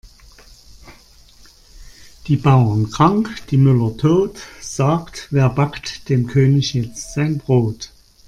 Die Bauern krank, die Müller tot, sagt wer backt dem König jetzt sein Brot?